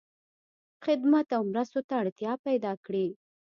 خدمت او مرستو ته اړتیا پیدا کړی.